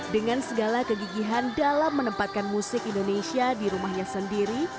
dengan segala kegigihan dalam menempatkan musik indonesia di rumahnya sendiri